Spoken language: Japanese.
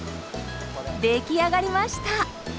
出来上がりました！